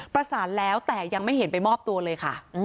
ประสานแล้วแต่ยังไม่เห็นไปมอบตัวเลยค่ะ